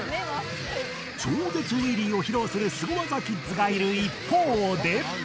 超絶ウィリーを披露するすご技キッズがいる一方で。